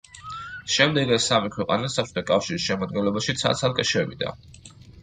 შემდეგ ეს სამი ქვეყანა საბჭოთა კავშირის შემადგენლობაში ცალ-ცალკე შევიდა.